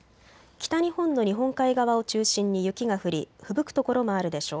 北日本の日本海側を中心に雪が降りふぶく所もあるでしょう。